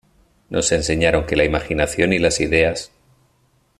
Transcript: nos enseñaron que la imaginación y las ideas